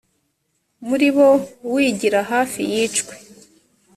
muri bo wigira hafi yicwe